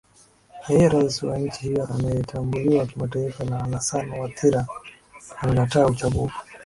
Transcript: aye rais wa nchi hiyo anayetambuliwa kimataifa la alasan watera amekataa uchagu